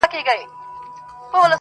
د قارون مال وی